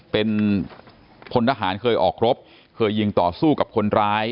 เป็นพลทหารเคยออกรบเคยยิงต่อสู้กับคนร้าย